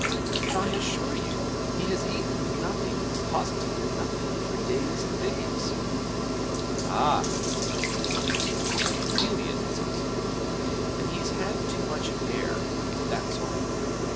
'But I assure you he has eaten nothing positively nothing for days and days!' 'Ah,' said Mr. Netherby, 'chameleon, is he? then he's had too much air that's all.'